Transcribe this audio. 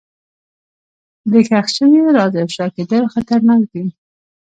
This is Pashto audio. د ښخ شوي راز افشا کېدل خطرناک دي.